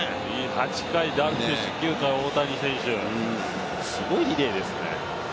８回、ダルビッシュ選手、９回、大谷選手、すごいリレーですね。